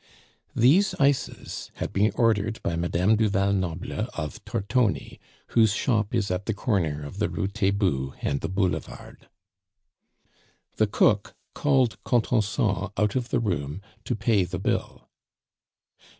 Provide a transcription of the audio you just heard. These ices had been ordered by Madame du Val Noble of Tortoni, whose shop is at the corner of the Rue Taitbout and the Boulevard. The cook called Contenson out of the room to pay the bill.